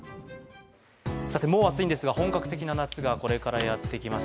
もう暑いんですが本格的な夏がやってきます。